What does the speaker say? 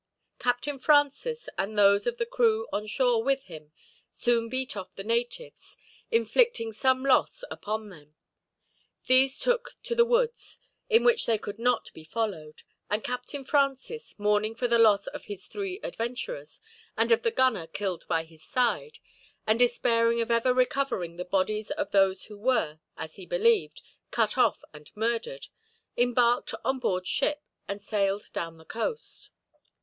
Captain Francis, and those of the crew on shore with him, soon beat off the natives; inflicting some loss upon them. These took to the woods, in which they could not be followed; and Captain Francis, mourning for the loss of his three adventurers, and of the gunner killed by his side; and despairing of ever recovering the bodies of those who were, as he believed, cut off and murdered; embarked on board ship, and sailed down the coast.